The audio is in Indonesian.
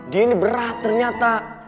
dia ini berat ternyata